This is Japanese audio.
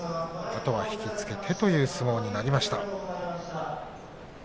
あとは引き付けてという相撲になりました。